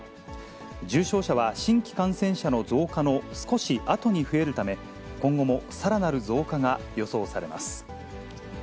重症者は新規感染者の増加の少しあとに増えるため、今後もさらなる増加が予想されます。